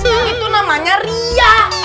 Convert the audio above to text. yang itu namanya riak